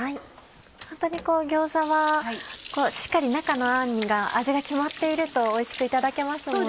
ホントに餃子はしっかり中のあんが味が決まっているとおいしくいただけますもんね。